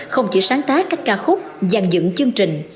không chỉ sáng tác các ca khúc dàn dựng chương trình